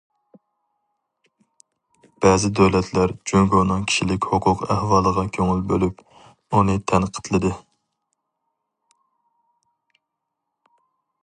بەزى دۆلەتلەر جۇڭگونىڭ كىشىلىك ھوقۇق ئەھۋالىغا كۆڭۈل بۆلۈپ، ئۇنى تەنقىدلىدى.